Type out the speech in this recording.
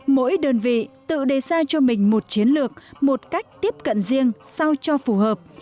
mỗi đơn vị tự đề ra cho mình một chiến lược một cách tiếp cận riêng sao cho phù hợp